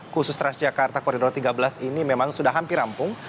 khusus transjakarta koridor tiga belas ini memang sudah hampir rampung